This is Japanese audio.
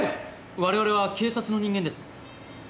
我々は警察の人間です。